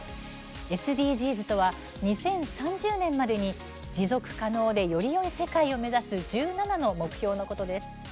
ＳＤＧｓとは、２０３０年までに持続可能でよりよい世界を目指す１７の目標のことなんです。